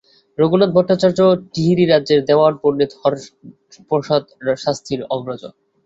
রঘুনাথ ভট্টাচার্য টিহিরী রাজ্যের দেওয়ান, পণ্ডিত হরপ্রসাদ শাস্ত্রীর অগ্রজ।